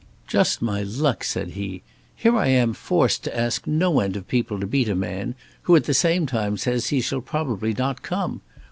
"Just my luck," said he; "here I am forced to ask no end of people to meet a man, who at the same time says he shall probably not come.